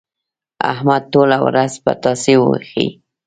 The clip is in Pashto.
احمد ټوله ورځ پتاسې وېشي.